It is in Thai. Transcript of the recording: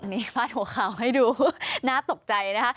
นี่ฟาดหัวข่าวให้ดูน่าตกใจนะคะ